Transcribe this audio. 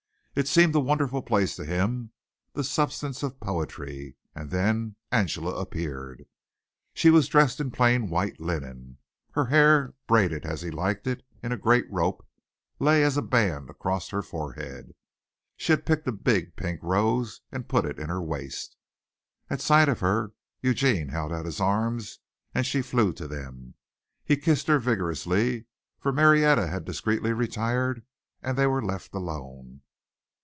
It seemed a wonderful place to him, the substance of poetry and then Angela appeared. She was dressed in plain white linen. Her hair, braided as he liked it in a great rope, lay as a band across her forehead. She had picked a big pink rose and put it in her waist. At sight of her Eugene held out his arms and she flew to them. He kissed her vigorously, for Marietta had discreetly retired and they were left alone.